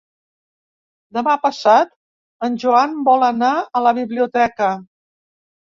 Demà passat en Joan vol anar a la biblioteca.